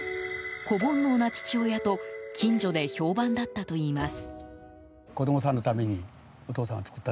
子煩悩な父親と近所で評判だったといいます。